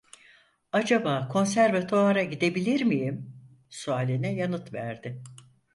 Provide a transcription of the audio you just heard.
"Acaba konservatuvara gidebilir miyim?" sualine yanıt verdi: